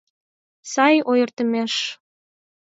Сай ойыртемыш!